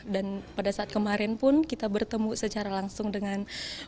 dan pada saat kemarin pun kita bertemu secara langsung dengan